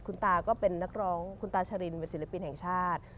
คุณตาก็เป็นนักร้องคุณตาชรินเป็นศิลปินแห่งชาติ